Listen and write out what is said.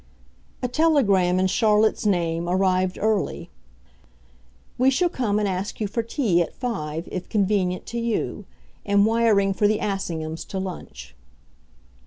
XLI A telegram, in Charlotte's name, arrived early "We shall come and ask you for tea at five, if convenient to you. Am wiring for the Assinghams to lunch."